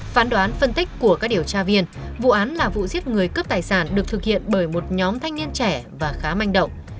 phán đoán phân tích của các điều tra viên vụ án là vụ giết người cướp tài sản được thực hiện bởi một nhóm thanh niên trẻ và khá manh động